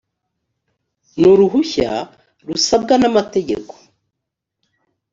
n uruhushya rusabwa n amategeko